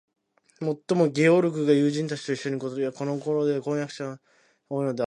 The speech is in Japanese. もっとも、ゲオルクが友人たちといっしょにいることや、このごろでは婚約者が彼を訪ねることが、いちばん多いのではあった。